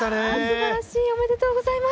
すばらしい、おめでとうございます。